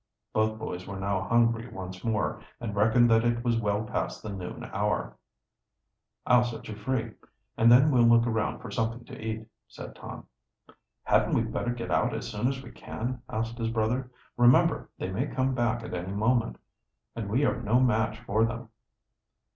Both boys were now hungry once more, and reckoned that it was well past the noon hour. "I'll set you free, and then we'll look around for something to eat," said Tom. "Hadn't we better get out as soon as we can?" asked his brother. "Remember, they may come back at any moment, and we are no match for them."